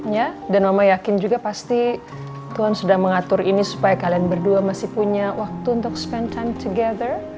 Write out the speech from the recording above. ya dan mama yakin juga pasti tuhan sudah mengatur ini supaya kalian berdua masih punya waktu untuk spend time together